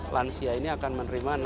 lansia ini akan menerima